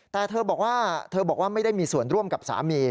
แต่เธอบอกว่าไม่ได้มีส่วนร่วมกับสามี